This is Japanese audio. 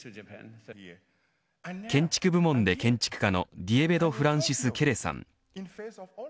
建築部門で建築家のディエベド・フランシス・ケレさん。